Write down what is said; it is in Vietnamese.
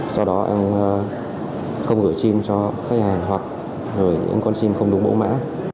sau đó em không gửi chim cho khách hàng hoặc gửi những con chim không đúng bổ mã